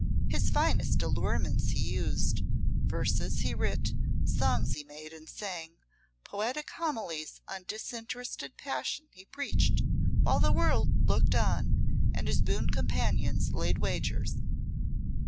His finest allurements he used, verses he writ, songs he made and sang, poetic homilies on disinterested passion he preached, while the world looked on and his boon companions laid wagers.